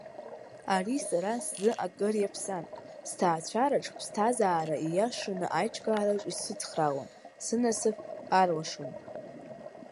Ари сара сзы акыр иаԥсан, сҭаацәаратә ԥсҭазаара ииашаны аиҿкаараҿ исыцхраауан, сынасыԥ арлашон.